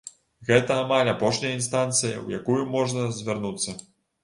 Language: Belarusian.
Гэта амаль апошняя інстанцыя, у якую можна звярнуцца.